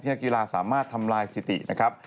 นักกีฬาสามารถทำลายสถิตินะครับ